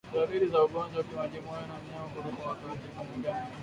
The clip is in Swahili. Dalili za ugonjwa wa majimoyo ni mnyama kurukwa na akili na kukanyaga kwa nguvu